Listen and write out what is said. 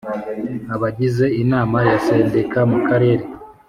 Abagize Inama ya Sendika mu Karere